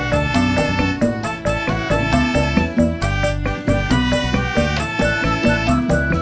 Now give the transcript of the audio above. tidak saya tidak mau